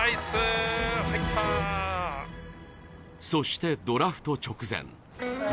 そして、ドラフト直前。